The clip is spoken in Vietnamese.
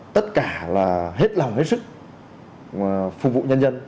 tất cả là hết lòng hết sức phục vụ nhân dân